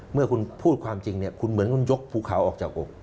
เมื่อคุณพูดความจริงเนี่ยคุณเหมือนคุณยกภูเขาออกจากอก